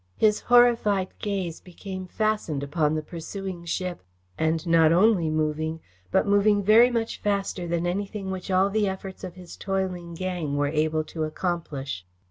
His horrified gaze became fastened upon the pursuing ship, now also moving, and not only moving, but moving very much faster than anything which all the efforts of his toiling gang were able to accomplish.